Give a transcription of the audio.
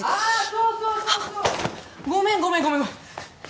そうそうそうごめんごめんごめんごめん